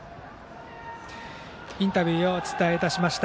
インタビューをお伝えいたしました。